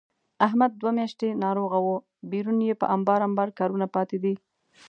احمد دوه میاشتې ناروغه و، بېرون یې په امبار امبار کارونه پاتې دي.